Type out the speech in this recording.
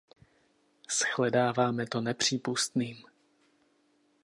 Shledáváme to nepřípustným!